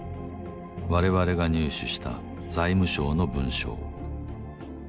我々が入手した財務省の文書